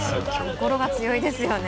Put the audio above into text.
心が強いですよね。